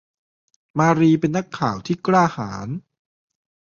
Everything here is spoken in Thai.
มารีเป็นนักข่าวที่กล้าหาญ